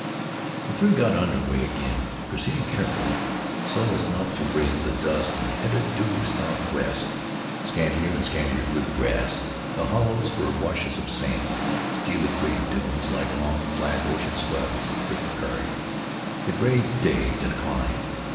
The three got under way again, proceeding carefully, so as not to raise the dust, and headed due southwest. Scantier and scantier grew the grass; the hollows were washes of sand; steely gray dunes, like long, flat, ocean swells, ribbed the prairie. The gray day declined.